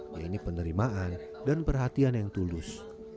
yaitu penerimaan dan perhatian yang tulus